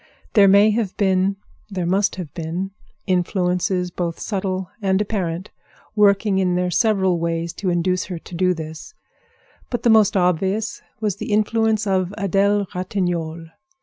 There may have been—there must have been—influences, both subtle and apparent, working in their several ways to induce her to do this; but the most obvious was the influence of Adèle Ratignolle.